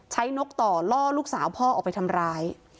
นกต่อล่อลูกสาวพ่อออกไปทำร้าย